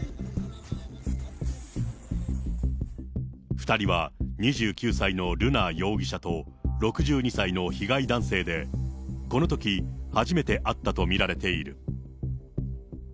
２人は２９歳の瑠奈容疑者と、６２歳の被害男性で、このとき初めて会ったと見られている。